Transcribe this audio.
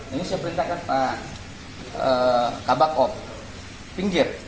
ini saya perintahkan pak kabakop pinggir